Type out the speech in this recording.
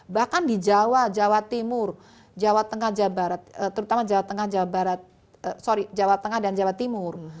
bahkan di jawa jawa timur jawa tengah dan jawa timur